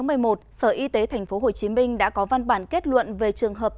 ngày một mươi một sở y tế tp hcm đã có văn bản kết luận về trường hợp